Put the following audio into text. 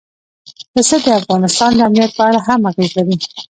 پسه د افغانستان د امنیت په اړه هم اغېز لري.